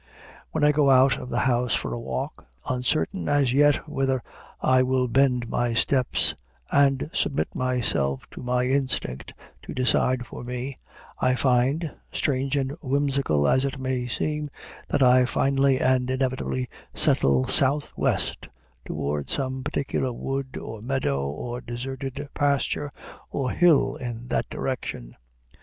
When I go out of the house for a walk, uncertain as yet whither I will bend my steps, and submit myself to my instinct to decide for me, I find, strange and whimsical as it may seem, that I finally and inevitably settle southwest, toward some particular wood or meadow or deserted pasture or hill in that direction.